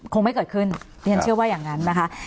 คงไม่เกิดขึ้นดิฉันเชื่อว่าอย่างนั้นนะคะ